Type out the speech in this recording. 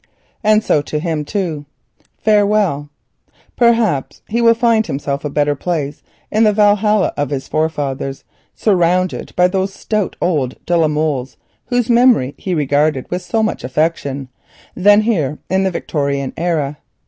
And so to him, too, farewell. Perchance he will find himself better placed in the Valhalla of his forefathers, surrounded by those stout old de la Molles whose memory he regarded with so much affection, than here in this thin blooded Victorian era.